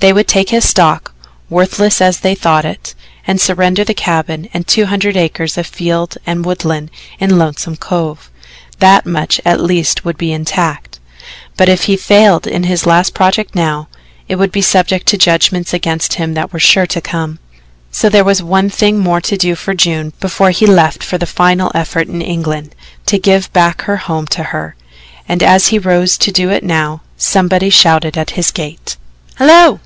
They would take his stock worthless as they thought it and surrender the cabin and two hundred acres of field and woodland in Lonesome Cove. That much at least would be intact, but if he failed in his last project now, it would be subject to judgments against him that were sure to come. So there was one thing more to do for June before he left for the final effort in England to give back her home to her and as he rose to do it now, somebody shouted at his gate: "Hello!"